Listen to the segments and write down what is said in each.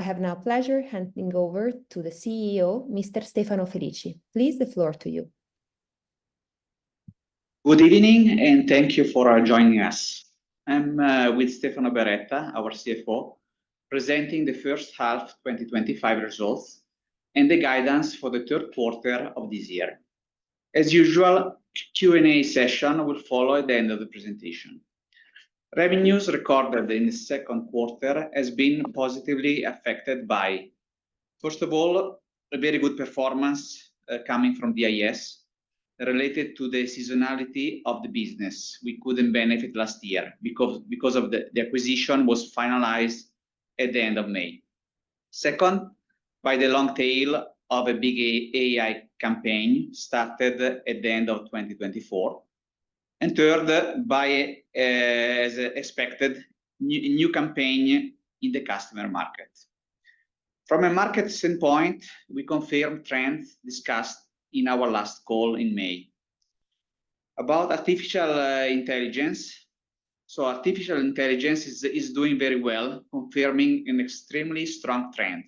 I have now the pleasure of handing over to the CEO, Mr. Stefano Felici. Please, the floor is to you. Good evening, and thank you for joining us. I'm with Stefano Beretta, our CFO, presenting the first half 2025 results and the guidance for the third quarter of this year. As usual, a Q&A session will follow at the end of the presentation. Revenues recorded in the second quarter have been positively affected by, first of all, a very good performance coming from the DIS related to the seasonality of the business. We couldn't benefit last year because the acquisition was finalized at the end of May. Second, by the long tail of a big AI campaign started at the end of 2024. Third, as expected, a new campaign in the customer market. From a market standpoint, we confirmed trends discussed in our last call in May. About artificial intelligence, artificial intelligence is doing very well, confirming an extremely strong trend.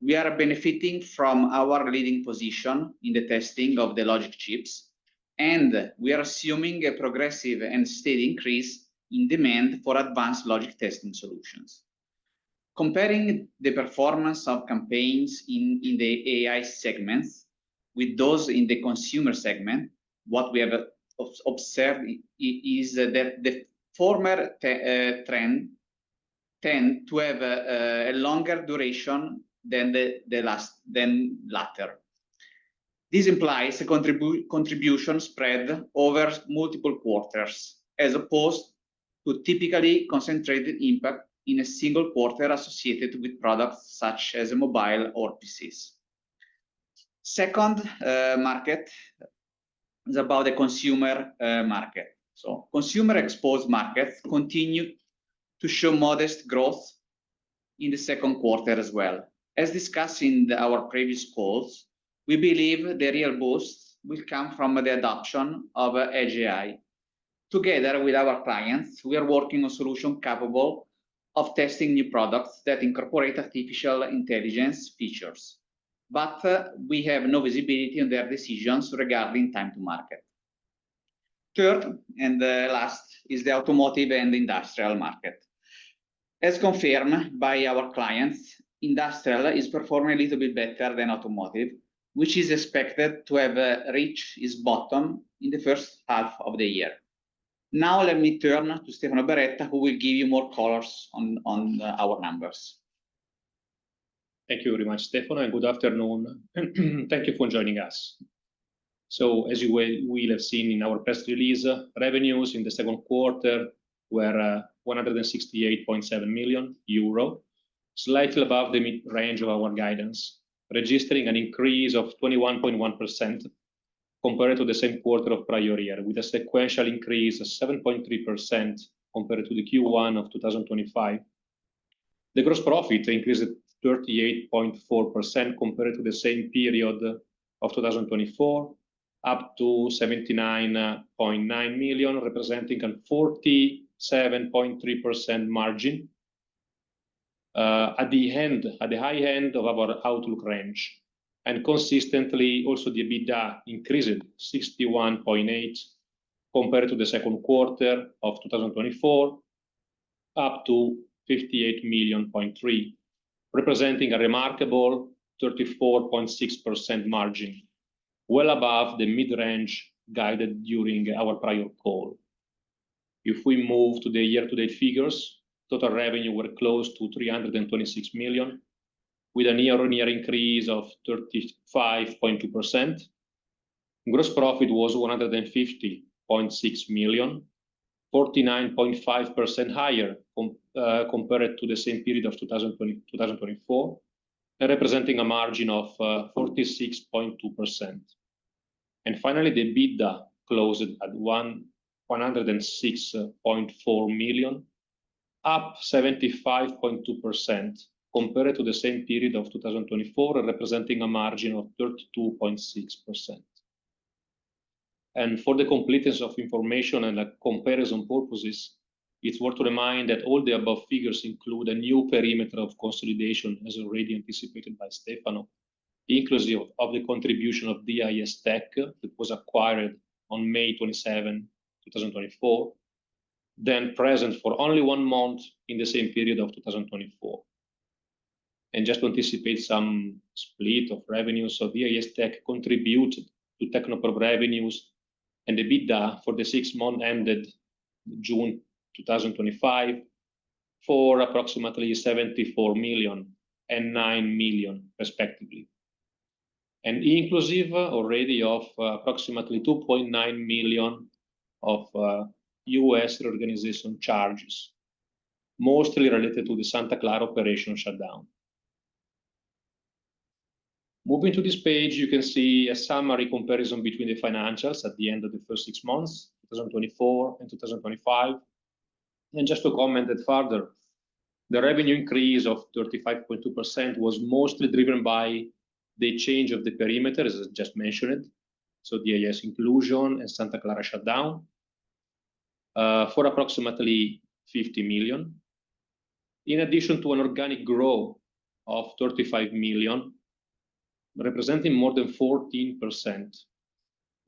We are benefiting from our leading position in the testing of the logic chips, and we are assuming a progressive and steady increase in demand for advanced logic testing solutions. Comparing the performance of campaigns in the AI segments with those in the consumer segment, what we have observed is that the former trend tends to have a longer duration than the latter. This implies a contribution spread over multiple quarters, as opposed to a typically concentrated impact in a single quarter associated with products such as mobile or PCs. Second market is about the consumer market. Consumer exposed markets continue to show modest growth in the second quarter as well. As discussed in our previous calls, we believe the real boost will come from the adoption of AGI. Together with our clients, we are working on solutions capable of testing new products that incorporate artificial intelligence features, but we have no visibility on their decisions regarding time to market. Third and last is the automotive and industrial market. As confirmed by our clients, industrial is performing a little bit better than automotive, which is expected to have reached its bottom in the first half of the year. Now, let me turn to Stefano Beretta, who will give you more colors on our numbers. Thank you very much, Stefano, and good afternoon. Thank you for joining us. As you will have seen in our press release, revenues in the second quarter were €168.7 million, slightly above the mid-range of our guidance, registering an increase of 21.1% compared to the same quarter of prior year, with a sequential increase of 7.3% compared to Q1 of 2025. The gross profit increased at 38.4% compared to the same period of 2024, up to €79.9 million, representing a 47.3% margin. At the high end of our outlook range, and consistently, also the EBITDA increased at 61.8% compared to the second quarter of 2024, up to €58.3 million, representing a remarkable 34.6% margin, well above the mid-range guided during our prior call. If we move to the year-to-date figures, total revenue were close to €326 million, with a year-on-year increase of 35.2%. Gross profit was €150.6 million, 49.5% higher compared to the same period of 2024, and representing a margin of 46.2%. Finally, the EBITDA closed at €106.4 million, up 75.2% compared to the same period of 2024, representing a margin of 32.6%. For the completeness of information and comparison purposes, it's worth to remind that all the above figures include a new perimeter of consolidation, as already anticipated by Stefano, inclusive of the contribution of DIS Technologies, which was acquired on May 27, 2024, then present for only one month in the same period of 2024. Just to anticipate some split of revenues, DIS Tech contributed to Technoprobe revenues and EBITDA for the six months ended in June 2025 for approximately €74 million and €9 million, respectively, inclusive already of approximately €2.9 million of U.S. reorganization charges, mostly related to the Santa Clara operation shutdown. Moving to this page, you can see a summary comparison between the financials at the end of the first six months, 2024 and 2025. To comment further, the revenue increase of 35.2% was mostly driven by the change of the perimeter, as I just mentioned, DIS inclusion and Santa Clara shutdown, for approximately €50 million, in addition to an organic growth of €35 million, representing more than 14%,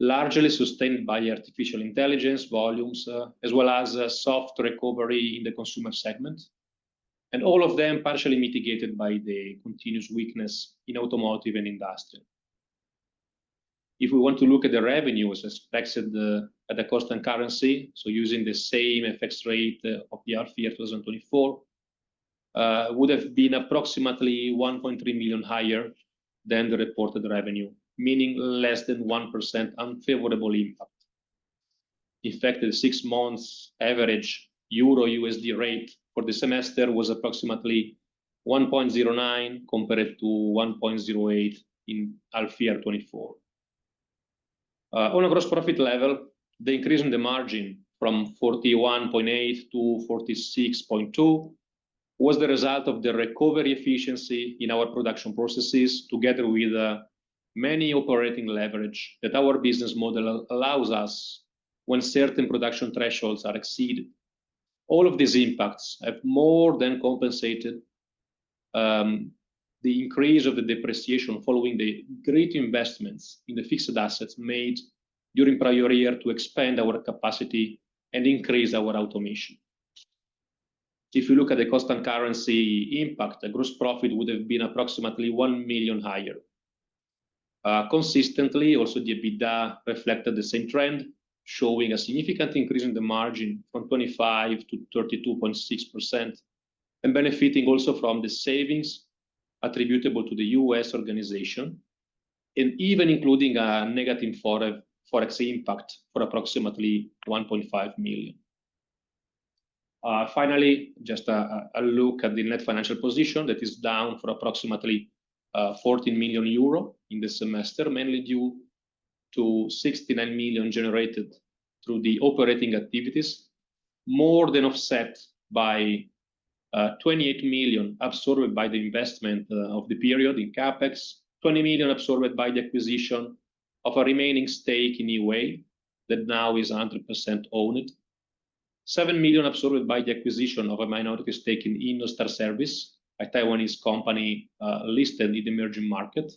largely sustained by artificial intelligence volumes, as well as soft recovery in the consumer segment, all of them partially mitigated by the continuous weakness in automotive and industrial. If we want to look at the revenues as expected at the cost and currency, so using the same FX rate of the RFI 2024, it would have been approximately €1.3 million higher than the reported revenue, meaning less than 1% unfavorable impact. In fact, the six months average EUR/USD rate for the semester was approximately €1.09 compared to €1.08 in RFI 2024. On a gross profit level, the increase in the margin from €41.8 million- €46.2 million was the result of the recovery efficiency in our production processes, together with the many operating leverage that our business model allows us when certain production thresholds are exceeded. All of these impacts have more than compensated the increase of the depreciation following the great investments in the fixed assets made during prior year to expand our capacity and increase our automation. If we look at the cost and currency impact, the gross profit would have been approximately €1 million higher. Consistently, also the EBITDA reflected the same trend, showing a significant increase in the margin from 25%-32.6%, and benefiting also from the savings attributable to the U.S. organization, and even including a negative forex impact for approximately €1.5 million. Finally, just a look at the net financial position that is down for approximately €14 million in this semester, mainly due to €69 million generated through the operating activities, more than offset by €28 million absorbed by the investment of the period in Capex, €20 million absorbed by the acquisition of a remaining stake in eWay that now is 100% owned, €7 million absorbed by the acquisition of a minority stake in InStar Service IC, a Taiwanese company listed in the emerging market,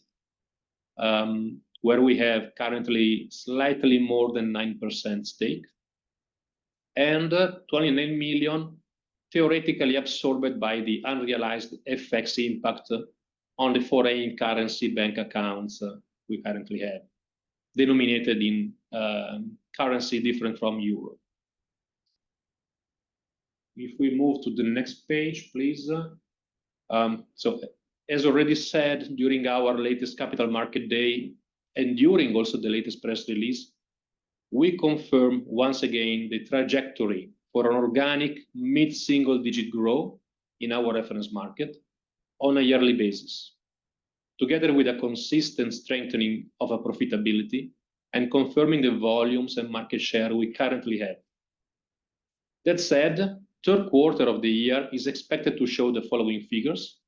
where we have currently slightly more than 9% stake, and €29 million theoretically absorbed by the unrealized FX impact on the foreign currency bank accounts we currently have, denominated in currency different from euro. If we move to the next page, please. As already said, during our latest Capital Market Day and during also the latest press release, we confirmed once again the trajectory for an organic mid-single-digit growth in our reference market on a yearly basis, together with a consistent strengthening of profitability and confirming the volumes and market share we currently have. That said, the third quarter of the year is expected to show the following figures,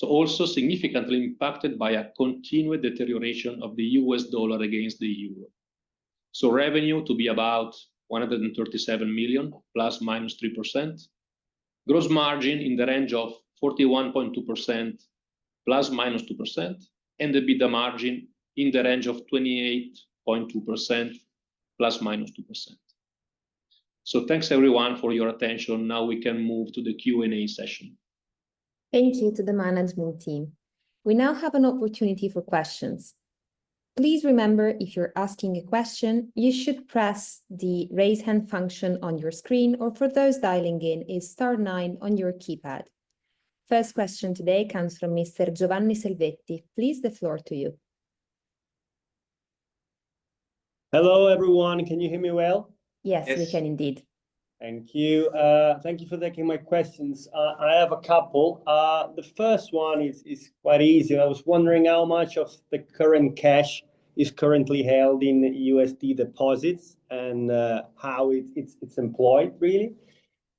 also significantly impacted by a continued deterioration of the U.S. dollar against the euro. Revenue to be about €137 million, plus minus 3%, gross margin in the range of 41.2%, plus minus 2%, and EBITDA margin in the range of 28.2%, plus minus 2%. Thanks everyone for your attention. Now we can move to the Q&A session. Thank you to the management team. We now have an opportunity for questions. Please remember, if you're asking a question, you should press the raise hand function on your screen, or for those dialing in, press star nine on your keypad. First question today comes from Mr. Giovanni Selvetti. Please, the floor is to you. Hello, everyone. Can you hear me well? Yes, we can indeed. Thank you. Thank you for taking my questions. I have a couple. The first one is quite easy. I was wondering how much of the current cash is currently held in USD deposits and how it's employed, really.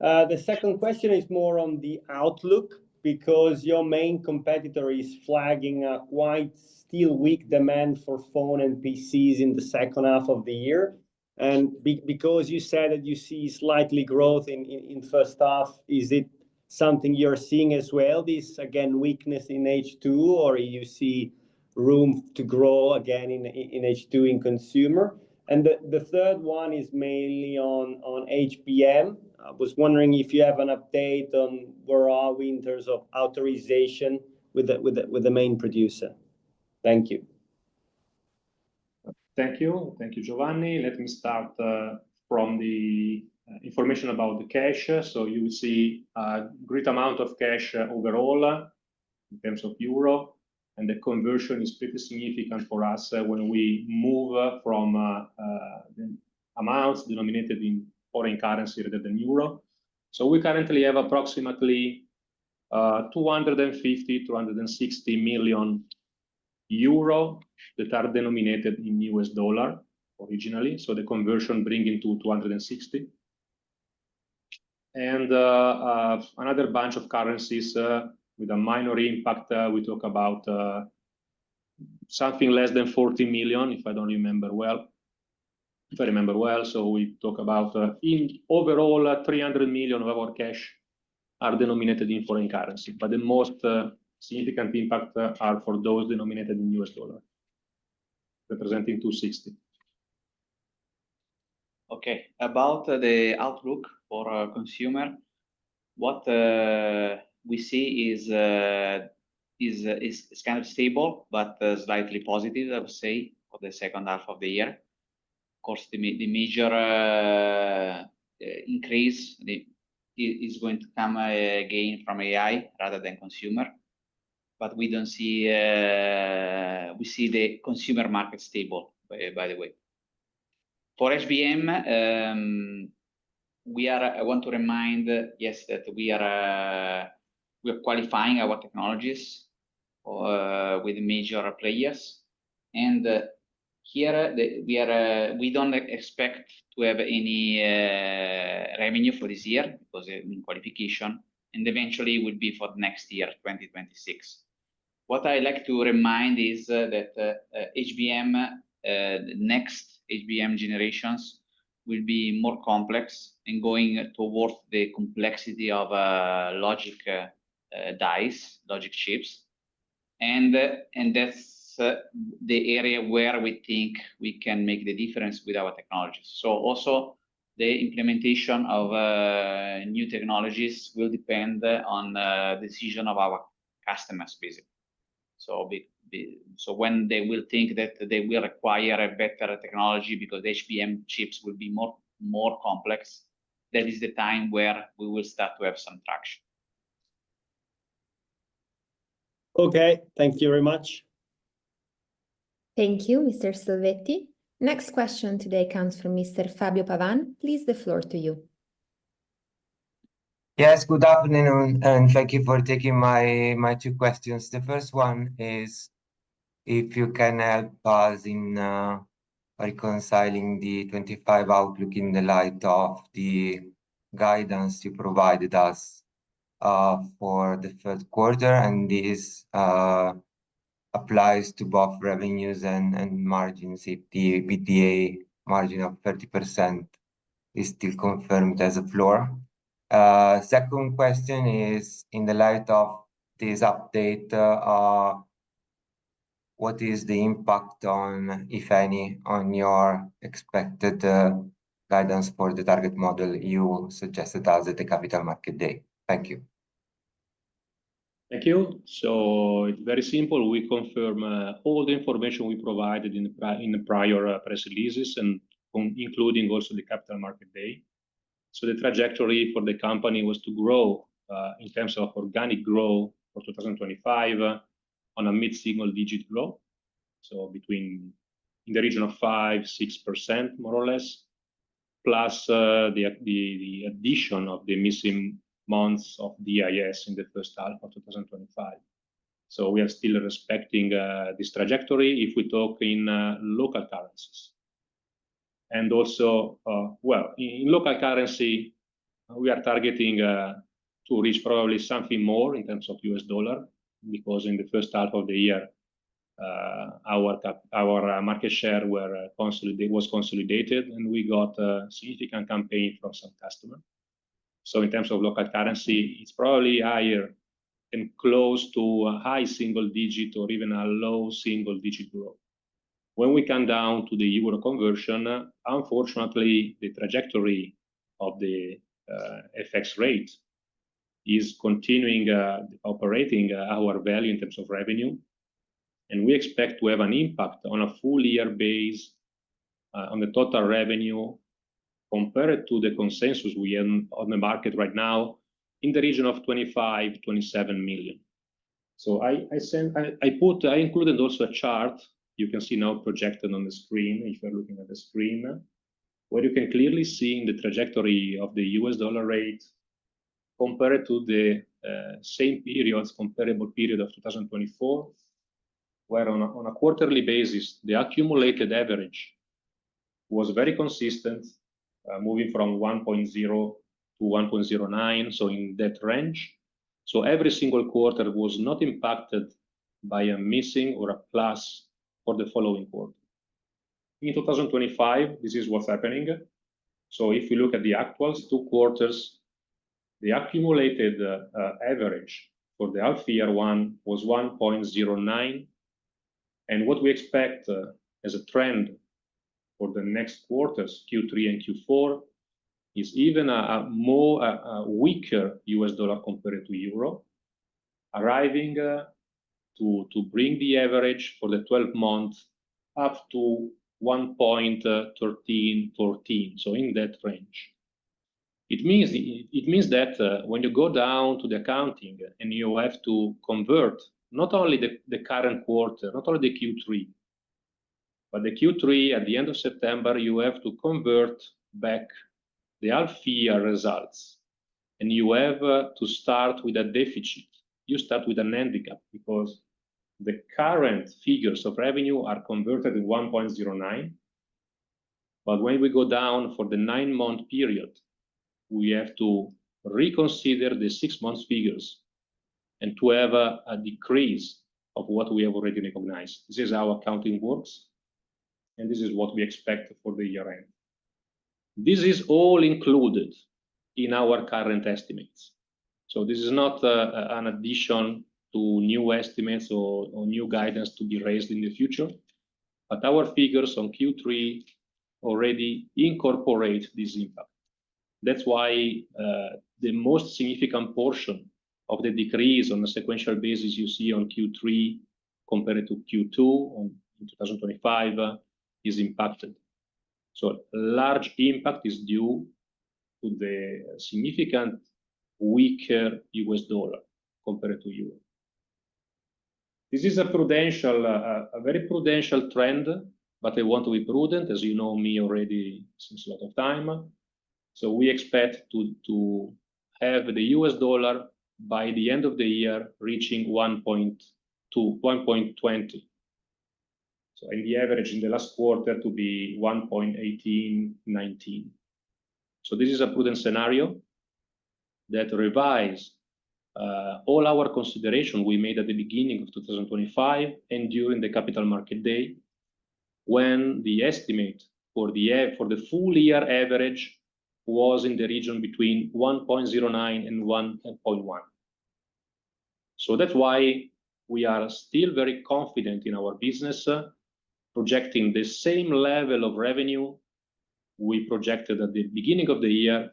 The second question is more on the outlook because your main competitor is flagging a quite still weak demand for phone and PCs in the second half of the year. Because you said that you see slightly growth in the first half, is it something you're seeing as well? This again, weakness in H2, or do you see room to grow again in H2 in consumer? The third one is mainly on HBM. I was wondering if you have an update on where are we in terms of authorization with the main producer? Thank you. Thank you. Thank you, Giovanni. Let me start from the information about the cash. You will see a great amount of cash overall in terms of euro, and the conversion is pretty significant for us when we move from the amounts denominated in foreign currency rather than euro. We currently have approximately €250-260 million that are denominated in U.S. dollar originally, so the conversion brings it to €260 million. Another bunch of currencies with a minor impact, we talk about something less than €40 million, if I don't remember well. If I remember well, we talk about in overall €300 million of our cash are denominated in foreign currency, but the most significant impact are for those denominated in U.S. dollar, representing €260 million. Okay. About the outlook for consumer, what we see is kind of stable, but slightly positive, I would say, for the second half of the year. Of course, the major increase is going to come again from AI rather than consumer, but we don't see the consumer market stable, by the way. For HBM, I want to remind, yes, that we are qualifying our technologies with the major players, and here we don't expect to have any revenue for this year because in qualification, and eventually it would be for the next year, 2026. What I like to remind is that the next HBM generations will be more complex and going towards the complexity of logic dice, logic chips, and that's the area where we think we can make the difference with our technologies. Also, the implementation of new technologies will depend on the decision of our customers, please. When they will think that they will acquire a better technology because HBM chips will be more complex, that is the time where we will start to have some traction. Okay, thank you very much. Thank you, Mr. Selvetti. Next question today comes from Mr. Fabio Pavan. Please, the floor is to you. Yes. Good afternoon, and thank you for taking my two questions. The first one is if you can help us in reconciling the 2025 outlook in the light of the guidance you provided us for the third quarter, and this applies to both revenues and margins. If the EBITDA margin of 30% is still confirmed as a floor. Second question is, in the light of this update, what is the impact on, if any, on your expected guidance for the target model you suggested us at the Capital Market Day? Thank you. Thank you. It's very simple. We confirm all the information we provided in the prior press releases, including also the Capital Market Day. The trajectory for the company was to grow in terms of organic growth for 2025 on a mid-single-digit growth, so in the region of 5%, 6%, more or less, plus the addition of the missing months of DIS in the first half of 2025. We are still respecting this trajectory if we talk in local currencies. In local currency, we are targeting to reach probably something more in terms of U.S. dollar because in the first half of the year, our market share was consolidated, and we got a significant campaign from some customers. In terms of local currency, it's probably higher and close to a high single-digit or even a low single-digit growth. When we come down to the euro conversion, unfortunately, the trajectory of the FX rate is continuing operating our value in terms of revenue, and we expect to have an impact on a full year base on the total revenue compared to the consensus we have on the market right now in the region of $25 million, $27 million. I included also a chart you can see now projected on the screen if you're looking at the screen, where you can clearly see in the trajectory of the U.S. dollar rate compared to the same periods, comparable period of 2024, where on a quarterly basis, the accumulated average was very consistent, moving from 1.0 to 1.09, in that range. Every single quarter was not impacted by a missing or a plus for the following quarter. In 2025, this is what's happening. If you look at the actuals two quarters, the accumulated average for the RFI year one was 1.09, and what we expect as a trend for the next quarters, Q3 and Q4, is even a more weaker U.S. dollar compared to euro, arriving to bring the average for the 12 months up to 1.1314, in that range. It means that when you go down to the accounting and you have to convert not only the current quarter, not only the Q3, but the Q3 at the end of September, you have to convert back the RFI results, and you have to start with a deficit. You start with an ending up because the current figures of revenue are converted in 1.09, but when we go down for the nine-month period, we have to reconsider the six-month figures and to have a decrease of what we have already recognized. This is how accounting works, and this is what we expect for the year end. This is all included in our current estimates. This is not an addition to new estimates or new guidance to be raised in the future, but our figures on Q3 already incorporate this impact. That's why the most significant portion of the decrease on a sequential basis you see on Q3 compared to Q2 in 2025 is impacted. A large impact is due to the significantly weaker U.S. dollar compared to euro. This is a prudential, a very prudential trend, but I want to be prudent, as you know me already since a lot of time. We expect to have the U.S. dollar by the end of the year reaching 1.20, so the average in the last quarter to be 1.1819. This is a prudent scenario that revises all our consideration we made at the beginning of 2025 and during the Capital Market Day, when the estimate for the full year average was in the region between 1.09 and 1.1. That's why we are still very confident in our business, projecting the same level of revenue we projected at the beginning of the year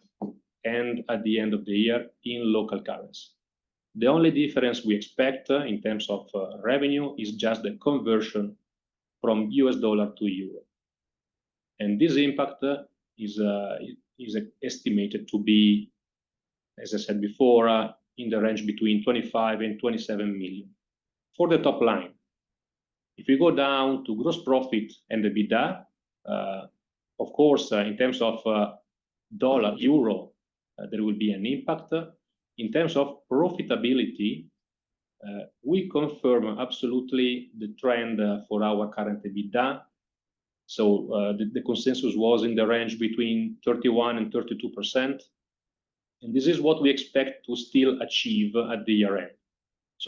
and at the end of the year in local currency. The only difference we expect in terms of revenue is just the conversion from U.S. dollar to euro, and this impact is estimated to be, as I said before, in the range between €25 million and €27 million for the top line. If we go down to gross profit and EBITDA, of course, in terms of dollar euro, there will be an impact. In terms of profitability, we confirm absolutely the trend for our current EBITDA. The consensus was in the range between 31% and 32%, and this is what we expect to still achieve at the year end.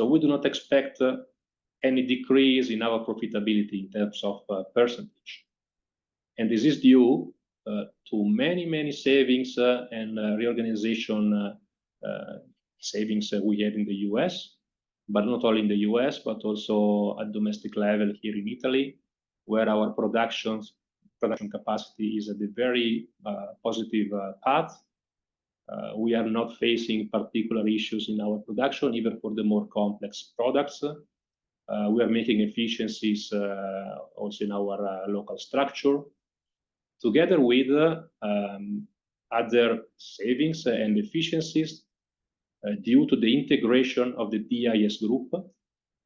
We do not expect any decrease in our profitability in terms of percentage, and this is due to many, many savings and reorganization savings we had in the U.S., but not only in the U.S., but also at domestic level here in Italy, where our production capacity is at the very positive path. We are not facing particular issues in our production, even for the more complex products. We are making efficiencies also in our local structure, together with other savings and efficiencies due to the integration of the DIS group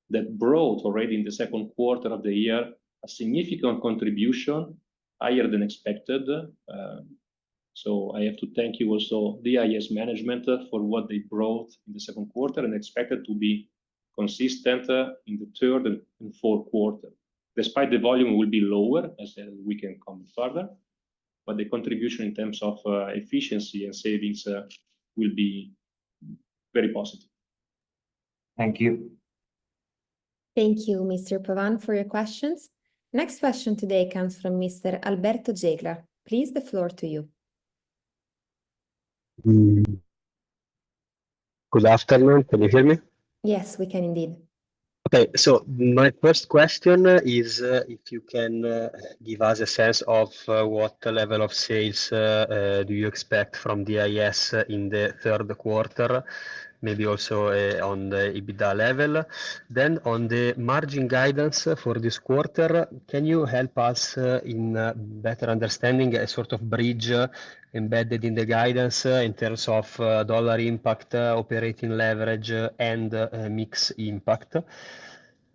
that brought already in the second quarter of the year a significant contribution higher than expected. I have to thank you also, DIS management, for what they brought in the second quarter and expect it to be consistent in the third and fourth quarter. Despite the volume, it will be lower as we can come further, but the contribution in terms of efficiency and savings will be very positive. Thank you. Thank you, Mr. Pavan, for your questions. Next question today comes from Mr. Alberto Gegra. Please, the floor is to you. Good afternoon. Can you hear me? Yes, we can indeed. Okay. My first question is if you can give us a sense of what level of sales you expect from DIS in the third quarter, maybe also on the EBITDA level. On the margin guidance for this quarter, can you help us in better understanding a sort of bridge embedded in the guidance in terms of dollar impact, operating leverage, and mix impact?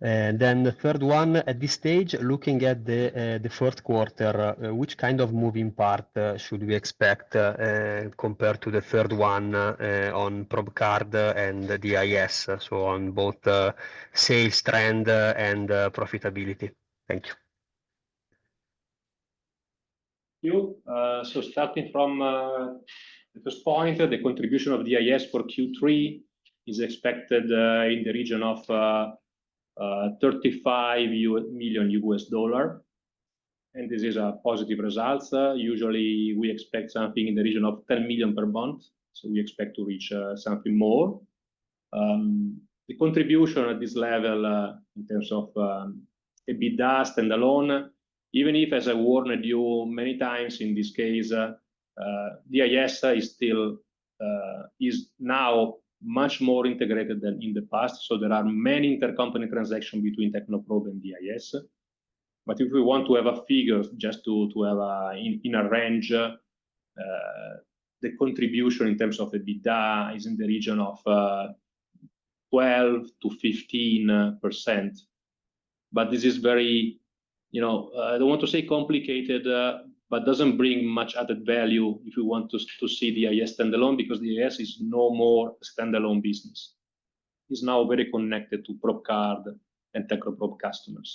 The third one, at this stage, looking at the fourth quarter, which kind of moving part should we expect compared to the third one on probe card and DIS, so on both sales trend and profitability? Thank you. Starting from the first point, the contribution of DIS for Q3 is expected in the region of $35 million, and this is a positive result. Usually, we expect something in the region of $10 million per month, so we expect to reach something more. The contribution at this level in terms of EBITDA stands alone, even if, as I warned you many times, in this case, DIS is still now much more integrated than in the past. There are many intercompany transactions between Technoprobe S.p.A. and DIS, but if we want to have a figure just to have in a range, the contribution in terms of EBITDA is in the region of 12% to 15%. This is very, you know, I don't want to say complicated, but doesn't bring much added value if we want to see DIS standalone because DIS is no more standalone business. It's now very connected to probe card and Technoprobe S.p.A. customers.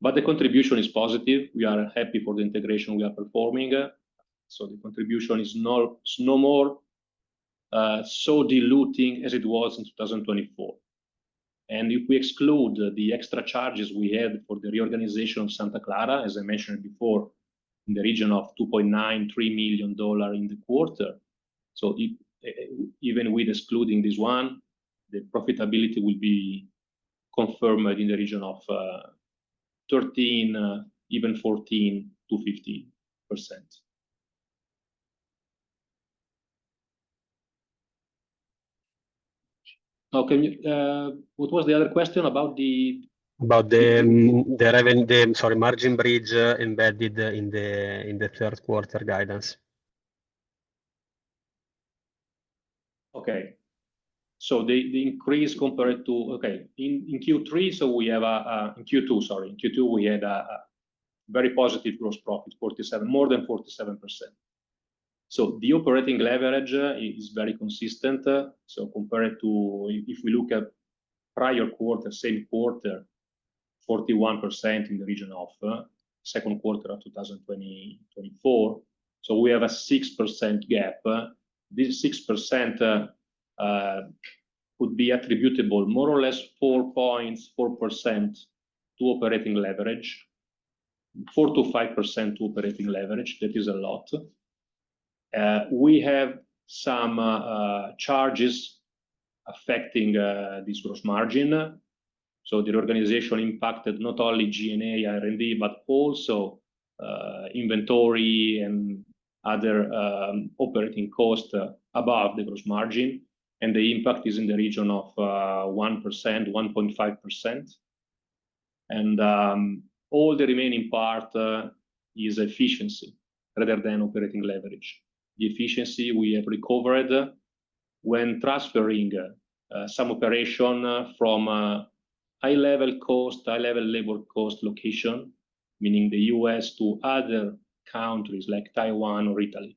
The contribution is positive. We are happy for the integration we are performing. The contribution is no more so diluting as it was in 2024. If we exclude the extra charges we had for the reorganization of Santa Clara, as I mentioned before, in the region of $2.93 million in the quarter, even with excluding this one, the profitability will be confirmed in the region of 13%, even 14%-15%. Okay. What was the other question about the? About the revenue, margin bridge embedded in the third quarter guidance. Okay. The increase compared to, okay, in Q3, in Q2, sorry, in Q2, we had a very positive gross profit, more than 47%. The operating leverage is very consistent. Compared to, if we look at prior quarter, same quarter, 41% in the region of second quarter of 2024. We have a 6% gap. This 6% could be attributable more or less 4.4% to operating leverage, 4%-5% to operating leverage. That is a lot. We have some charges affecting this gross margin. The reorganization impacted not only G&A, R&D, but also inventory and other operating costs above the gross margin, and the impact is in the region of 1%, 1.5%. All the remaining part is efficiency rather than operating leverage. The efficiency we have recovered when transferring some operation from a high-level cost, high-level labor cost location, meaning the U.S. to other countries like Taiwan or Italy.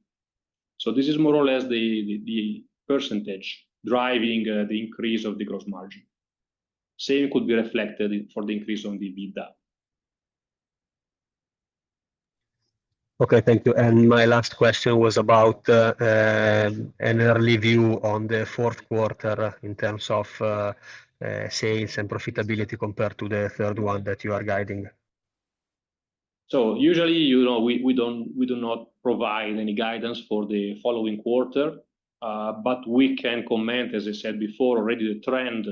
This is more or less the percentage driving the increase of the gross margin. The same could be reflected for the increase on the EBITDA. Thank you. My last question was about an early view on the fourth quarter in terms of sales and profitability compared to the third one that you are guiding. Usually, you know, we do not provide any guidance for the following quarter, but we can comment, as I said before, already the trend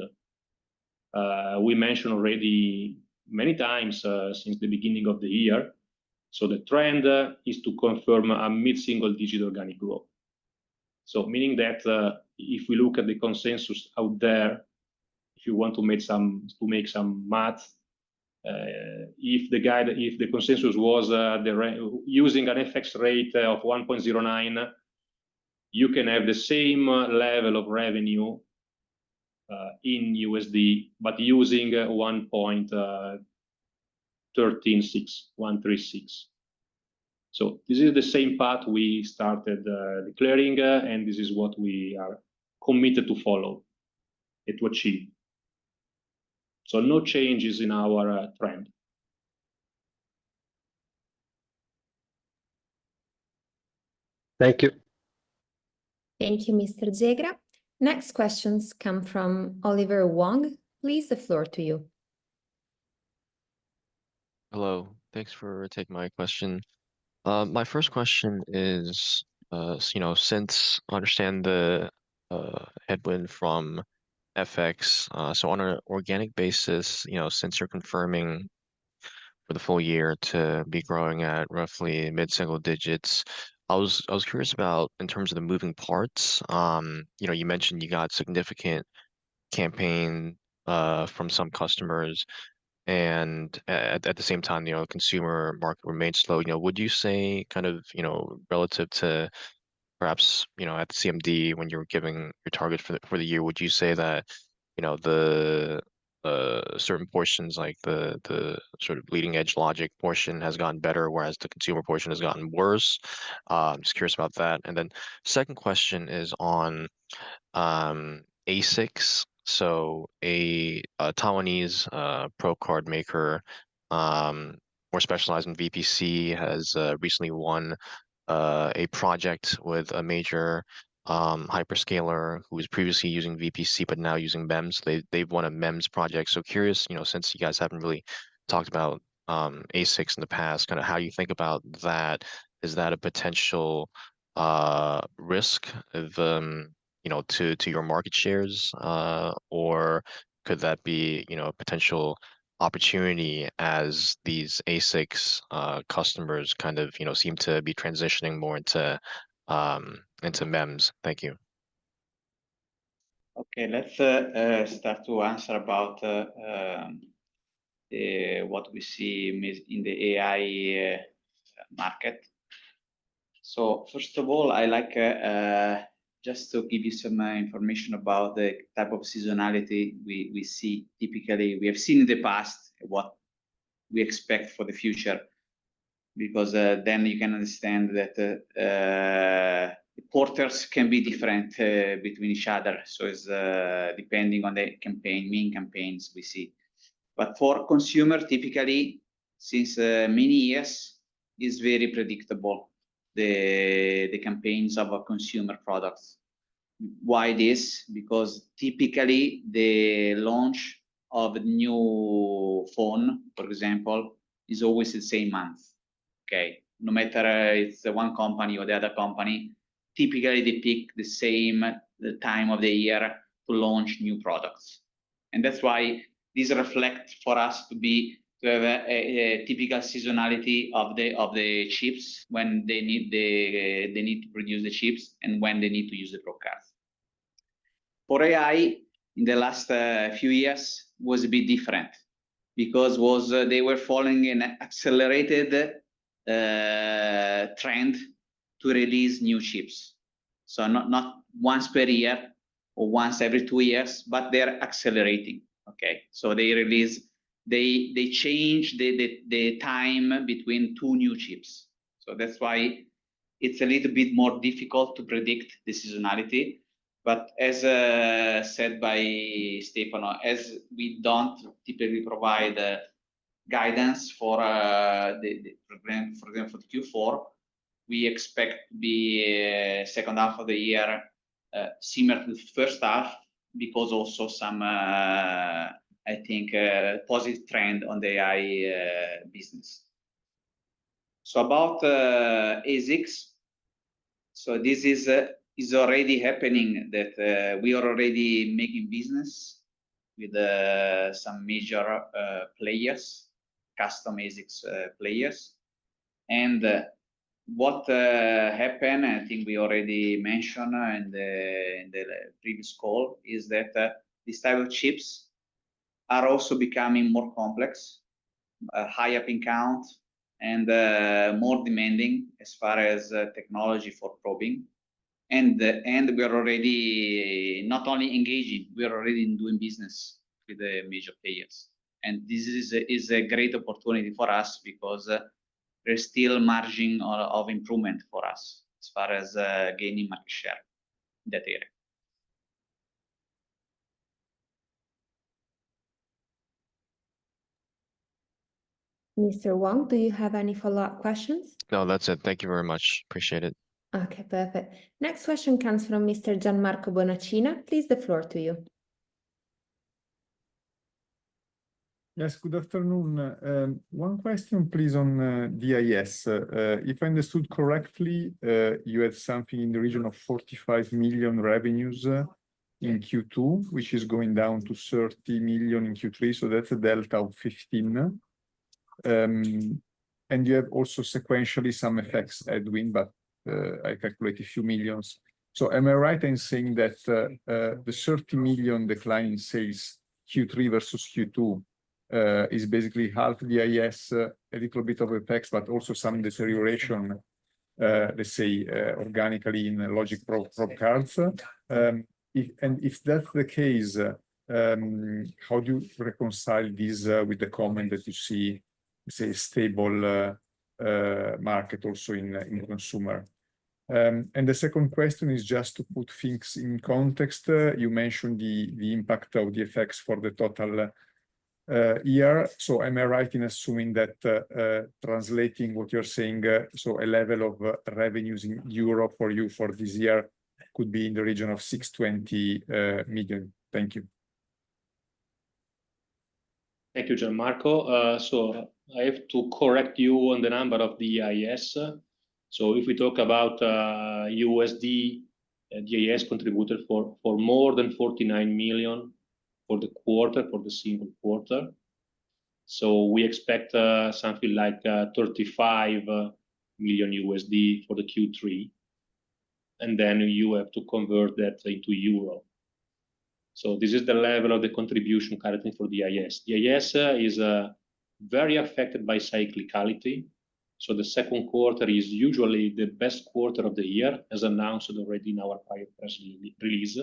we mentioned already many times since the beginning of the year. The trend is to confirm a mid-single-digit organic growth, meaning that if we look at the consensus out there, if you want to make some math, if the consensus was using an FX rate of 1.09, you can have the same level of revenue in USD, but using 1.136. This is the same path we started declaring, and this is what we are committed to follow to achieve. No changes in our trend. Thank you. Thank you, Mr. Gegra Next questions come from Oliver Wong. Please, the floor is to you. Hello. Thanks for taking my question. My first question is, you know, since I understand the headwind from FX, on an organic basis, since you're confirming for the full year to be growing at roughly mid-single digits, I was curious about the moving parts. You mentioned you got significant campaign from some customers, and at the same time, the consumer market remains slow. Would you say, relative to perhaps at the CMD when you were giving your target for the year, that certain portions, like the sort of leading-edge logic portion, have gotten better, whereas the consumer portion has gotten worse? I was curious about that. The second question is on ASICs. A Taiwanese probe card maker, more specialized in VPC, has recently won a project with a major hyperscaler who was previously using VPC but now using MEMS. They've won a MEMS project. Curious, since you guys haven't really talked about ASICs in the past, how you think about that. Is that a potential risk to your market shares, or could that be a potential opportunity as these ASICs customers seem to be transitioning more into MEMS? Thank you. Okay. Let's start to answer about what we see in the AI market. First of all, I'd just like to give you some information about the type of seasonality we see. Typically, we have seen in the past what we expect for the future because then you can understand that the quarters can be different between each other. It's depending on the main campaigns we see. For consumer, typically, since many years, it's very predictable, the campaigns of consumer products. Why this? Because typically, the launch of a new phone, for example, is always the same month. No matter if it's one company or the other company, typically, they pick the same time of the year to launch new products. That's why this reflects for us to be a typical seasonality of the chips when they need to produce the chips and when they need to use the probe card. For AI, in the last few years, it was a bit different because they were following an accelerated trend to release new chips. Not once per year or once every two years, but they're accelerating. They changed the time between two new chips. That's why it's a little bit more difficult to predict the seasonality. As said by Stefano, as we don't typically provide guidance for, for example, for the Q4, we expect the second half of the year similar to the first half because also some, I think, positive trend on the AI business. About ASICs, this is already happening that we are already making business with some major players, custom ASICs players. What happened, I think we already mentioned in the previous call, is that these type of chips are also becoming more complex, high up in count, and more demanding as far as technology for probing. We're already not only engaging, we're already doing business with the major players. This is a great opportunity for us because there's still margin of improvement for us as far as gaining market share in that area. Mr. Wong, do you have any follow-up questions? No, that's it. Thank you very much. Appreciate it. Okay. Perfect. Next question comes from Mr. Gianmarco Bonaccina. Please, the floor is to you. Yes. Good afternoon. One question, please, on DIS. If I understood correctly, you had something in the region of €45 million revenues in Q2, which is going down to €30 million in Q3. That's a delta of €15 million. You have also sequentially some effects, Edwin, but I calculate a few millions. Am I right in saying that the €30 million decline in sales Q3 versus Q2 is basically half DIS, a little bit of FX, but also some deterioration, let's say, organically in logic probe cards? If that's the case, how do you reconcile this with the comment that you see, let's say, a stable market also in consumer? The second question is just to put things in context. You mentioned the impact of the effects for the total year. Am I right in assuming that translating what you're saying, a level of revenues in euro for you for this year could be in the region of €620 million? Thank you. Thank you, Gianmarco. I have to correct you on the number of DIS. If we talk about USD, DIS contributed more than $49 million for the quarter, for the single quarter. We expect something like $35 million for Q3, and then you have to convert that into euro. This is the level of the contribution currently for DIS. DIS is very affected by cyclicality. The second quarter is usually the best quarter of the year, as announced already in our prior press release.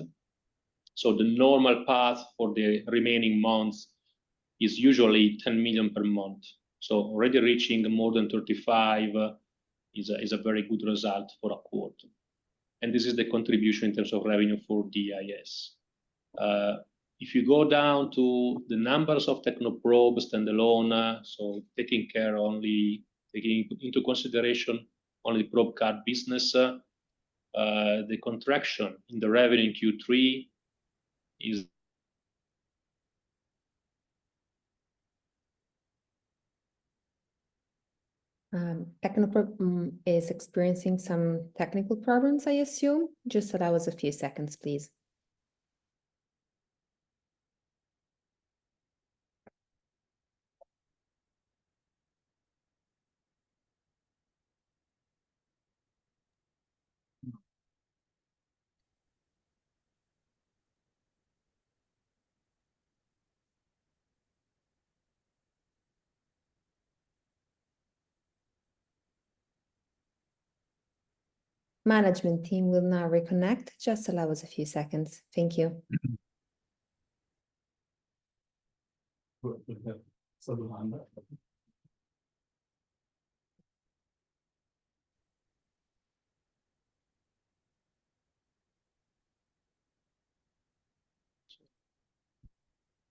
The normal path for the remaining months is usually $10 million per month. Already reaching more than $35 million is a very good result for a quarter. This is the contribution in terms of revenue for DIS. If you go down to the numbers of Technoprobe standalone, taking into consideration only probe card business, the contraction in the revenue in Q3 is. Technoprobe is experiencing some technical problems, I assume. Just allow us a few seconds, please. Management team will now reconnect. Just allow us a few seconds. Thank you.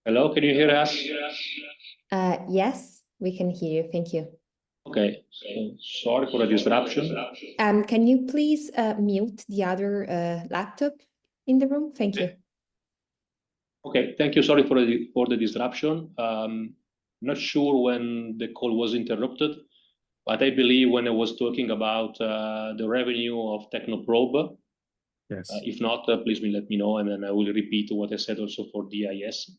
Hello, can you hear us? Yes, we can hear you. Thank you. Okay, sorry for the disruption. Can you please mute the other laptop in the room? Thank you. Okay. Thank you. Sorry for the disruption. I'm not sure when the call was interrupted, but I believe when I was talking about the revenue of Technoprobe. If not, please let me know, and I will repeat what I said also for DIS.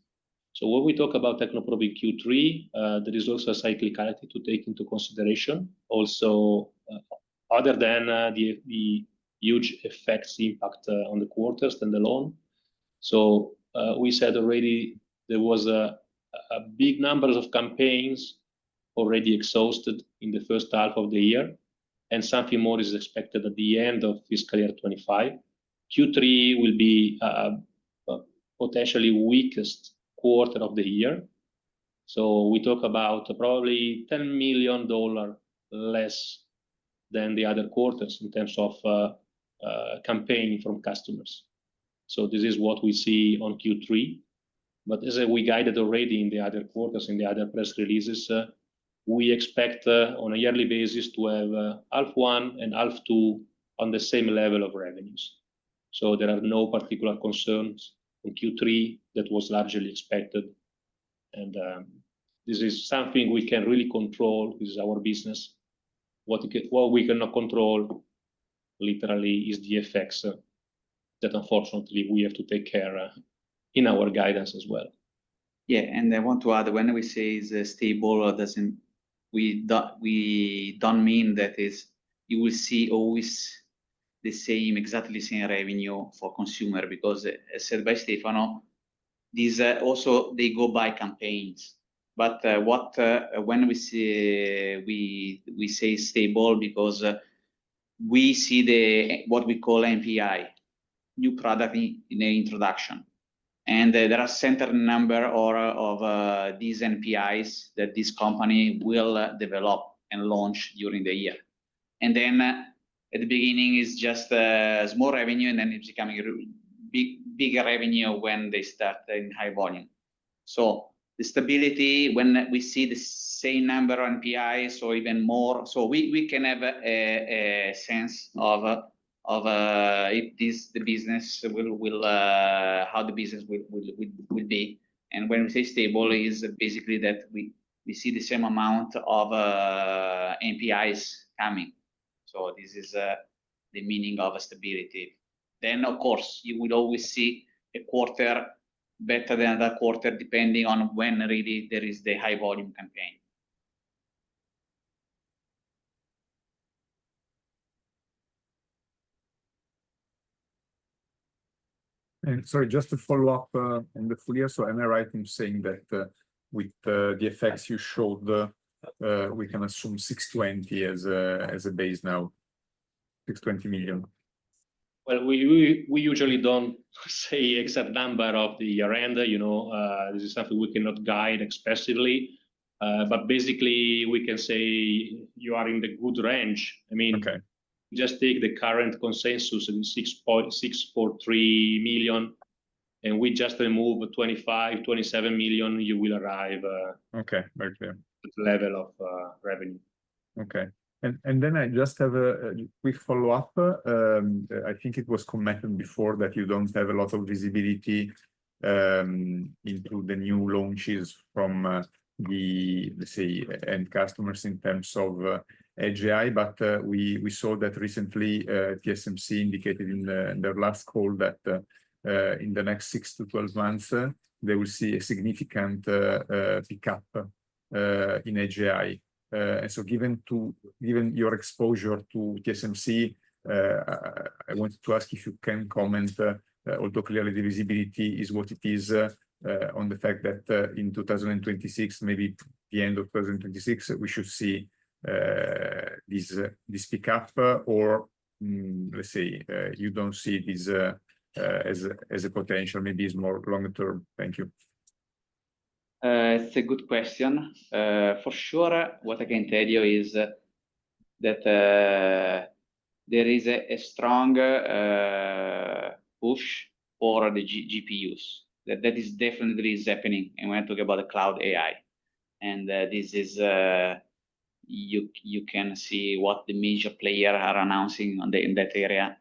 When we talk about Technoprobe in Q3, there is also a cyclicality to take into consideration, other than the huge FX impact on the quarter standalone. We said already there were big numbers of campaigns already exhausted in the first half of the year, and something more is expected at the end of fiscal year 2025. Q3 will be a potentially weakest quarter of the year. We talk about probably $10 million less than the other quarters in terms of campaign from customers. This is what we see on Q3. As we guided already in the other quarters, in the other press releases, we expect on a yearly basis to have alpha one and alpha two on the same level of revenues. There are no particular concerns in Q3 that was largely expected. This is something we can really control. This is our business. What we cannot control, literally, is the FX that unfortunately we have to take care of in our guidance as well. Yeah. I want to add, when we say it's stable, we don't mean that you will see always the same, exactly the same revenue for consumer because, as said by Stefano, these also go by campaigns. When we say stable, it's because we see what we call NPI, new product in the introduction. There are certain numbers of these NPIs that this company will develop and launch during the year. At the beginning, it's just a small revenue, and then it's becoming a big revenue when they start in high volume. The stability, when we see the same number of NPIs or even more, we can have a sense of how the business will be. When we say stable, it's basically that we see the same amount of NPIs coming. This is the meaning of stability. Of course, you will always see a quarter better than another quarter, depending on when really there is the high volume campaign. Just to follow up on the full year, am I right in saying that with the effects you showed, we can assume $620 million as a base now, $620 million? We usually don't say exact number of the year-end. You know, this is something we cannot guide expressively. Basically, we can say you are in the good range. I mean, just take the current consensus in $6.63 million, and we just remove $25, $27 million, you will arrive. Okay, right there. At the level of revenue. Okay. I just have a quick follow-up. I think it was commented before that you don't have a lot of visibility into the new launches from the, let's say, end customers in terms of AGI. We saw that recently, TSMC indicated in their last call that in the next 6 to 12 months, they will see a significant pickup in AGI. Given your exposure to TSMC, I wanted to ask if you can comment, although clearly the visibility is what it is, on the fact that in 2026, maybe the end of 2026, we should see this pickup, or let's say you don't see this as a potential, maybe it's more longer term. Thank you. It's a good question. For sure, what I can tell you is that there is a strong push for the GPUs. That is definitely happening. When I talk about the cloud AI, you can see what the major players are announcing in that area.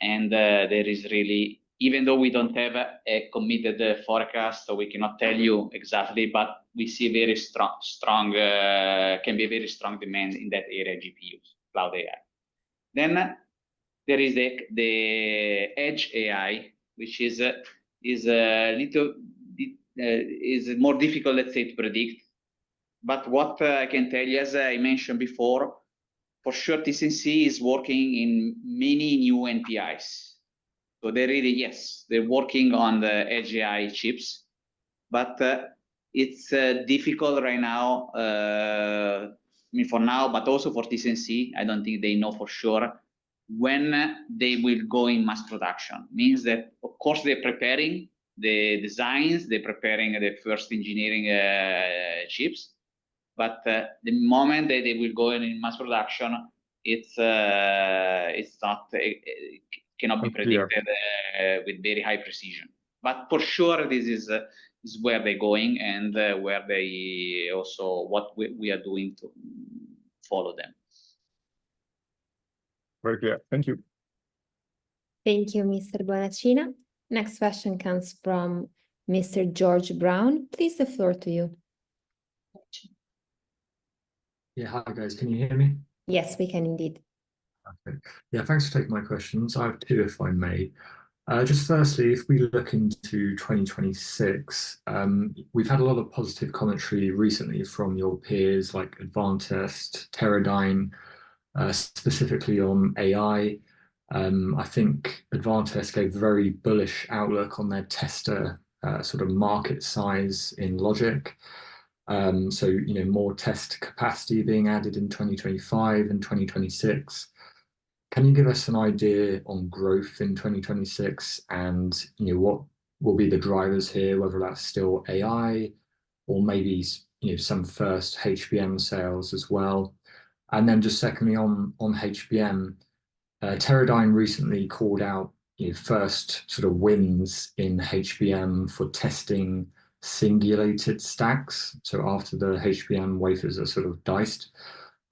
There is really, even though we don't have a committed forecast, so we cannot tell you exactly, but we see very strong, can be very strong demand in that area, GPUs, cloud AI. There is the edge AI, which is a little, is more difficult, let's say, to predict. What I can tell you, as I mentioned before, for sure, TSMC is working in many new NPIs. They're really, yes, they're working on the AGI chips, but it's difficult right now, I mean, for now, but also for TSMC. I don't think they know for sure when they will go in mass production. It means that, of course, they're preparing the designs, they're preparing the first engineering chips, but the moment that they will go in mass production, it cannot be predicted with very high precision. For sure, this is where they're going and where they also, what we are doing to follow them. Very clear. Thank you. Thank you, Mr. Bonaccina. Next question comes from Mr. George Brown. Please, the floor is yours. Hi, guys. Can you hear me? Yes, we can indeed. Perfect. Yeah. Thanks for taking my questions. I have two, if I may. Firstly, if we look into 2026, we've had a lot of positive commentary recently from your peers, like Advantest, Teradyne, specifically on AI. I think Advantest gave a very bullish outlook on their tester sort of market size in logic. More test capacity is being added in 2025 and 2026. Can you give us an idea on growth in 2026 and what will be the drivers here, whether that's still AI or maybe some first HBM sales as well? Secondly, on HBM, Teradyne recently called out first wins in HBM for testing singulated stacks. After the HBM wafers are diced,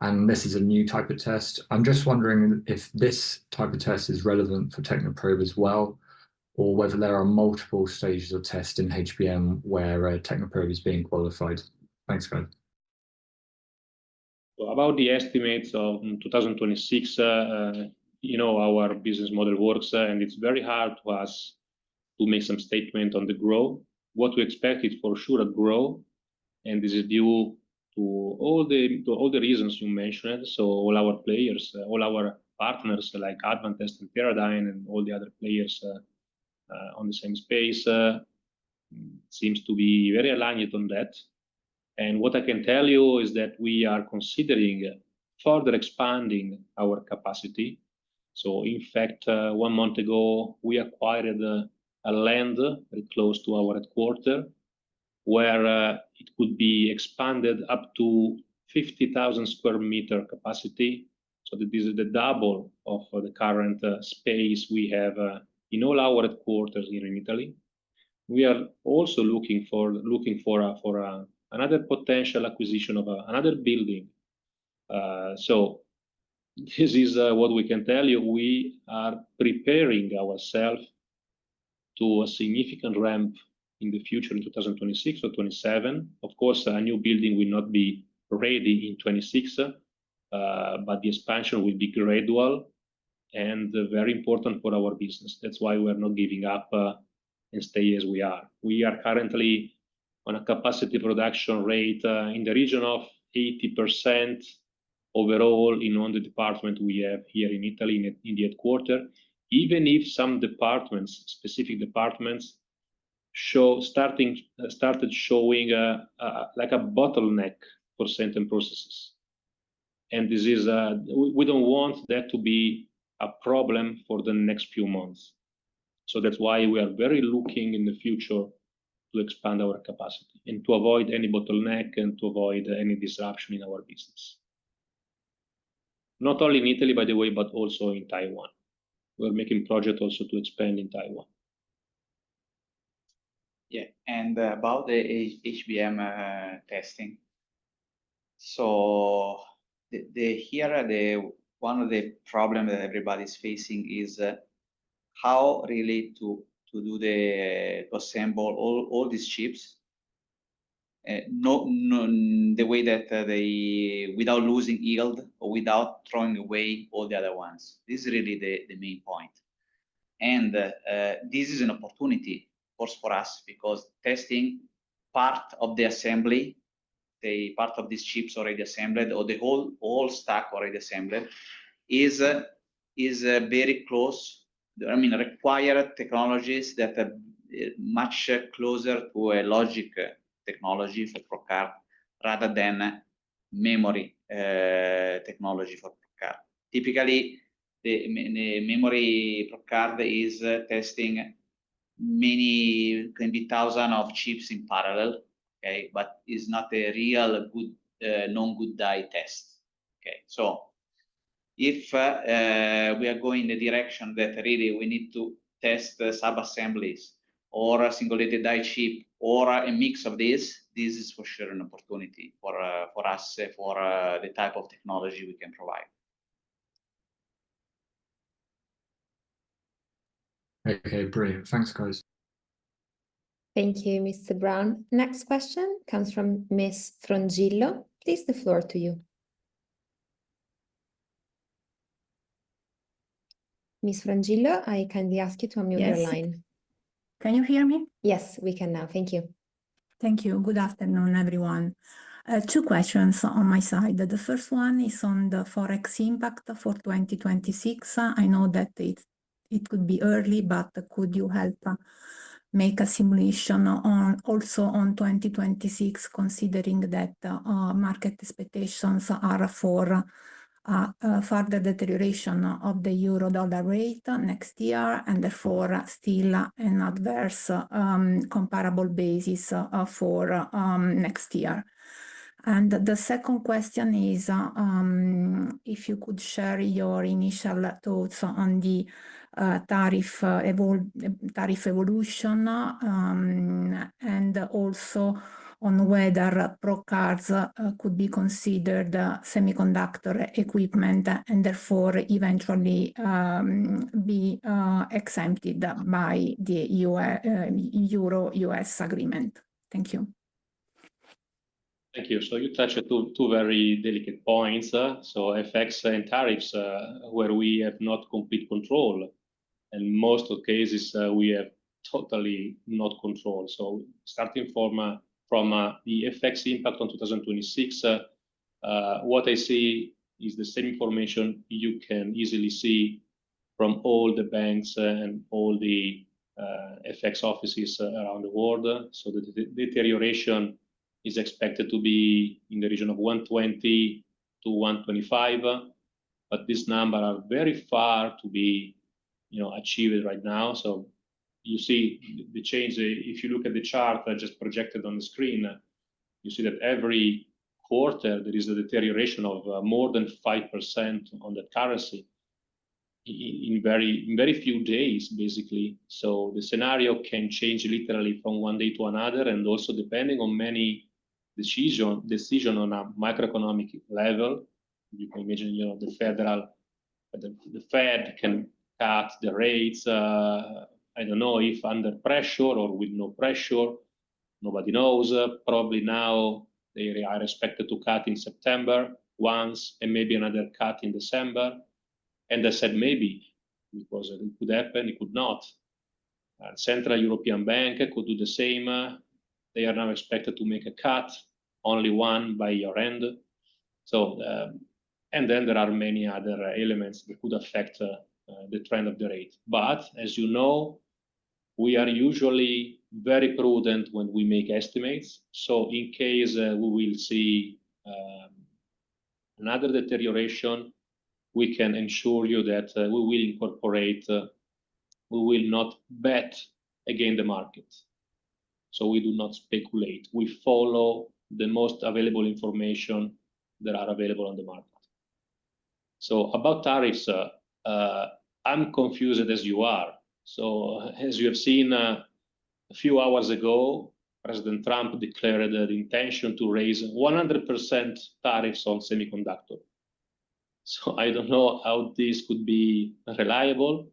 and this is a new type of test. I'm just wondering if this type of test is relevant for Technoprobe as well, or whether there are multiple stages of test in HBM where Technoprobe is being qualified. Thanks, Brown about the estimates of 2026, you know our business model works, and it's very hard for us to make some statement on the growth. What we expect is for sure a growth, and this is due to all the reasons you mentioned. All our players, all our partners like Advantest and Teradyne and all the other players in the same space seem to be very aligned on that. What I can tell you is that we are considering further expanding our capacity. In fact, one month ago, we acquired a land very close to our headquarter where it could be expanded up to 50,000 square meter capacity. This is the double of the current space we have in all our headquarters here in Italy. We are also looking for another potential acquisition of another building. This is what we can tell you. We are preparing ourselves to a significant ramp in the future in 2026 or 2027. Of course, a new building will not be ready in 2026, but the expansion will be gradual and very important for our business. That's why we are not giving up and stay as we are. We are currently on a capacity production rate in the region of 80% overall in all the departments we have here in Italy in the headquarter, even if some departments, specific departments, started showing like a bottleneck for certain processes. We don't want that to be a problem for the next few months. That's why we are very looking in the future to expand our capacity and to avoid any bottleneck and to avoid any disruption in our business, not only in Italy, by the way, but also in Taiwan. We're making a project also to expand in Taiwan. Yeah. About the HBM testing, one of the problems that everybody's facing is how really to assemble all these chips the way that they, without losing yield or without throwing away all the other ones. This is really the main point. This is an opportunity for us because testing part of the assembly, the part of these chips already assembled or the whole stack already assembled, is very close. I mean, required technologies that are much closer to a logic technology for probe card rather than a memory technology for probe card. Typically, the memory probe card is testing many, can be thousands of chips in parallel, but it's not a real good non-good die test. If we are going in the direction that really we need to test subassemblies or a singulated die chip or a mix of these, this is for sure an opportunity for us for the type of technology we can provide. Okay. Brilliant. Thanks, guys. Thank you, Mr. Brown. Next question comes from Ms. Frangillo. Please, the floor is to you. Ms. Frangillo, I kindly ask you to unmute your line. Can you hear me? Yes, we can now. Thank you. Thank you. Good afternoon, everyone. Two questions on my side. The first one is on the FX impact for 2026. I know that it could be early, but could you help make a simulation also on 2026, considering that market expectations are for further deterioration of the euro-dollar rate next year and therefore still an adverse comparable basis for next year? The second question is if you could share your initial thoughts on the tariff evolution and also on whether probe cards could be considered semiconductor equipment and therefore eventually be exempted by the euro-U.S. agreement. Thank you. Thank you. You touched two very delicate points: FX and tariffs, where we have not complete control, and in most cases, we have totally no control. Starting from the FX impact on 2026, what I see is the same information you can easily see from all the banks and all the FX offices around the world. The deterioration is expected to be in the region of 120 to 125, but this number is very far to be achieved right now. You see the change. If you look at the chart I just projected on the screen, you see that every quarter there is a deterioration of more than 5% on that currency in very few days, basically. The scenario can change literally from one day to another. Also, depending on many decisions on a macroeconomic level, you can imagine the Fed can cut the rates. I don't know if under pressure or with no pressure, nobody knows. Probably now they are expected to cut in September once and maybe another cut in December. I said maybe because it could happen, it could not. European Central Bank could do the same. They are now expected to make a cut, only one by year-end. There are many other elements that could affect the trend of the rate. As you know, we are usually very prudent when we make estimates. In case we will see another deterioration, we can ensure you that we will incorporate, we will not bet against the market. We do not speculate. We follow the most available information that is available on the market. About tariffs, I'm confused as you are. As you have seen a few hours ago, President Trump declared the intention to raise 100% tariffs on semiconductor. I don't know how this could be reliable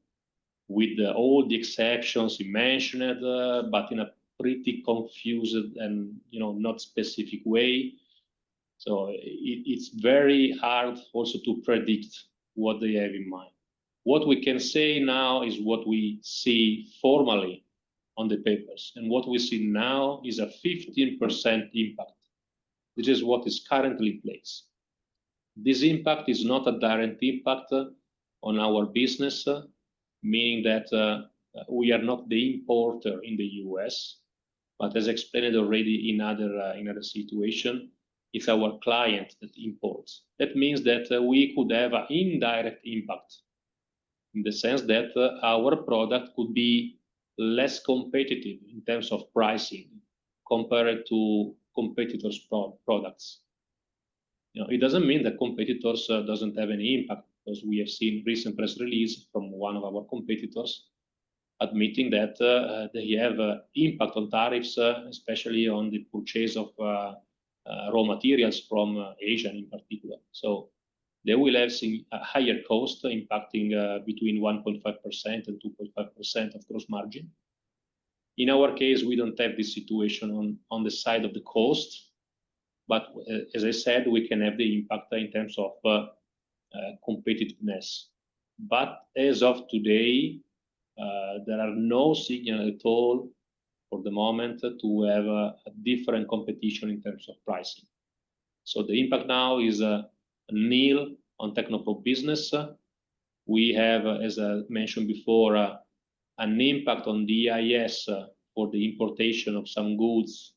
with all the exceptions you mentioned, but in a pretty confused and not specific way. It is very hard also to predict what they have in mind. What we can say now is what we see formally on the papers. What we see now is a 15% impact, which is what is currently in place. This impact is not a direct impact on our business, meaning that we are not the importer in the U.S., but as explained already in another situation, it's our client that imports. That means that we could have an indirect impact in the sense that our product could be less competitive in terms of pricing compared to competitors' products. It doesn't mean that competitors don't have any impact because we have seen a recent press release from one of our competitors admitting that they have an impact on tariffs, especially on the purchase of raw materials from Asia, in particular. They will have a higher cost impacting between 1.5% and 2.5% of gross margin. In our case, we don't have this situation on the side of the costs, but as I said, we can have the impact in terms of competitiveness. As of today, there are no signals at all for the moment to have a different competition in terms of pricing. The impact now is nil on Technoprobe S.p.A. business. We have, as I mentioned before, an impact on DIS for the importation of some goods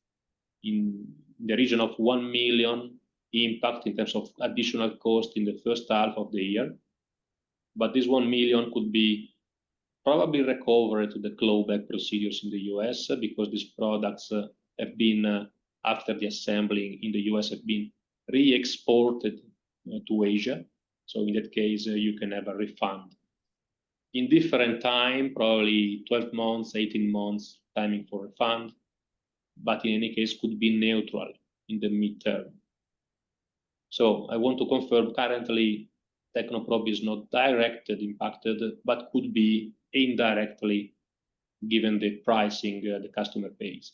in the region of $1 million impact in terms of additional cost in the first half of the year. This $1 million could be probably recovered through the clawback procedures in the U.S. because these products have been, after the assembling in the U.S., re-exported to Asia. In that case, you can have a refund in different times, probably 12 months, 18 months timing for a refund. In any case, it could be neutral in the mid-term. I want to confirm currently, Technoprobe S.p.A. is not directly impacted, but could be indirectly given the pricing the customer pays.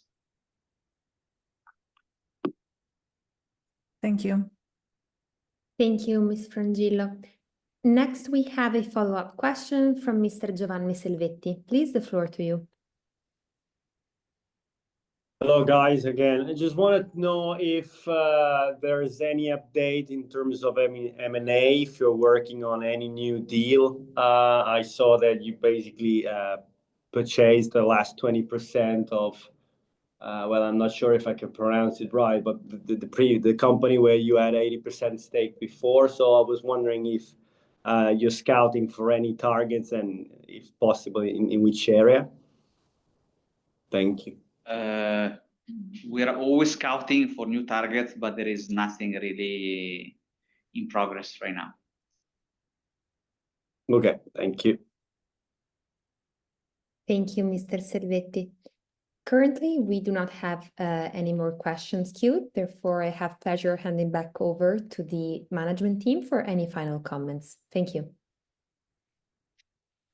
Thank you. Thank you, Ms. Frangillo. Next, we have a follow-up question from Mr. Giovanni Selvetti. Please, the floor is to you. Hello, guys. Again, I just wanted to know if there is any update in terms of M&A, if you're working on any new deal. I saw that you basically purchased the last 20% of, I'm not sure if I could pronounce it right, but the company where you had 80% stake before. I was wondering if you're scouting for any targets and if possible, in which area? Thank you. We are always scouting for new targets, but there is nothing really in progress right now. Okay, thank you. Thank you, Mr. Selvetti. Currently, we do not have any more questions queued. Therefore, I have pleasure handing back over to the management team for any final comments. Thank you.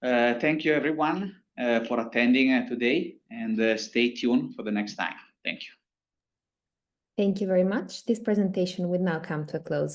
Thank you, everyone, for attending today, and stay tuned for the next time. Thank you. Thank you very much. This presentation will now come to a close.